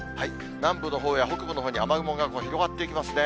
南部のほうや北部のほうに雨雲が広がっていきますね。